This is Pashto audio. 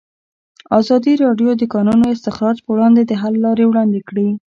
ازادي راډیو د د کانونو استخراج پر وړاندې د حل لارې وړاندې کړي.